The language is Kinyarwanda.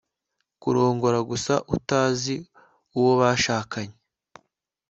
kurongora gusa utazi uwo bashakanye